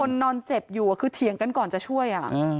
นอนเจ็บอยู่คือเถียงกันก่อนจะช่วย